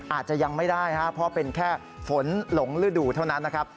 อาจจะยังไม่ได้ครับเพราะเป็นแค่ฝนหลงฤดูเท่านั้นนะครับ